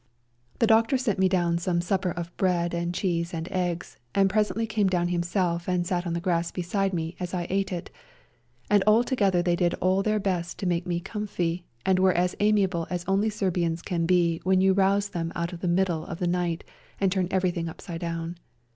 The doctor REJOINING THE SERBIANS 21 sent me down some supper of bread and cheese and eggs, and presently came down himself and sat on the grass beside me as I ate it, and altogether they all did their best to make me comfy, and were as amiable as only Serbians can be when you rouse them out in the middle of the night and turn everything upside down.